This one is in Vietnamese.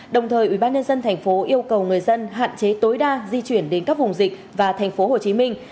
đồng thời ubnd thành phố yêu cầu người dân hạn chế tối đa di chuyển đến các vùng dịch và thành phố hồ chí minh